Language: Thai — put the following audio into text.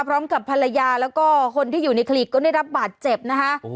พร้อมกับภรรยาแล้วก็คนที่อยู่ในคลิกก็ได้รับบาดเจ็บนะคะ